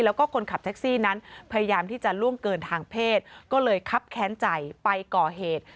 แล้วก็คนขับแท็กซี่นั้นพยายามที่จะล่วงเกินทางเพศก็เลยคับแค้นใจไปก่อเหตุ